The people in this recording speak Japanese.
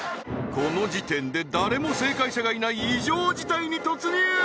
この時点で誰も正解者がいない異常事態に突入！